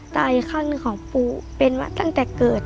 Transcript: อีกข้างหนึ่งของปูเป็นมาตั้งแต่เกิด